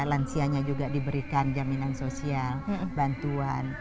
lansianya juga diberikan jaminan sosial bantuan